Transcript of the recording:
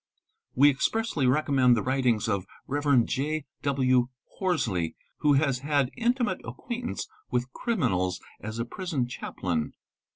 We expressly recommend the writings of ev. J. W. Horsley who has had intimate acquaintance with criminals sa prison chaplain.